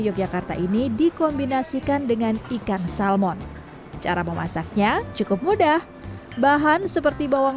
yogyakarta ini dikombinasikan dengan ikan salmon cara memasaknya cukup mudah bahan seperti bawang